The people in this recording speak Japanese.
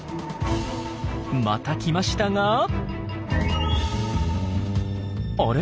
また来ましたがあれ？